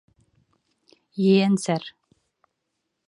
Ейәнсәр.